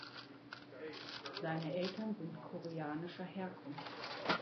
Seine Eltern sind koreanischer Herkunft.